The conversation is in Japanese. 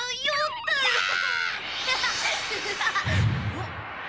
おっ？